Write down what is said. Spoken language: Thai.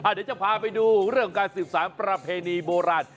เดี๋ยวจะพาไปดูเรื่องการสืบสารประเพณีโบราณ